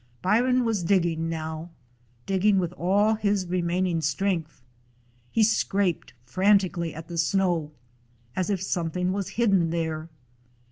Bryon was digging now; digging with all his remaining strength. He scraped frantic ally at the snow, as if something was hidden there.